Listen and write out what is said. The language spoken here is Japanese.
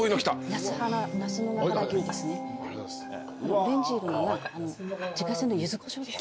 オレンジ色のが自家製のゆずこしょうです。